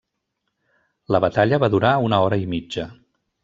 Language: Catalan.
La batalla va durar una hora i mitja.